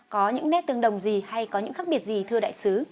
có những nét tương đồng gì hay có những khác biệt gì thưa đại sứ